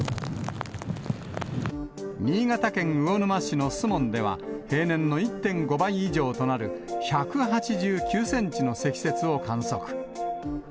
新潟県魚沼市の守門では、平年の１．５倍以上となる１８９センチの積雪を観測。